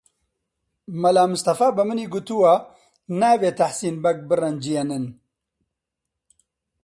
مەلا مستەفا بە منی گوتووە نابێ تەحسین بەگ بڕەنجێنن